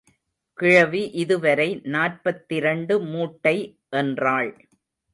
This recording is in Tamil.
கிழவி இதுவரை நாற்பத்திரண்டு மூட்டை என்றாள்.